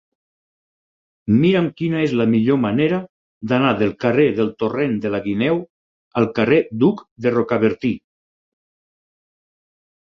Mira'm quina és la millor manera d'anar del carrer del Torrent de la Guineu al carrer d'Hug de Rocabertí.